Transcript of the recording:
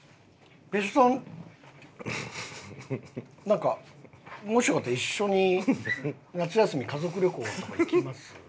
別所さんなんかもしよかったら一緒に夏休み家族旅行とか行きます？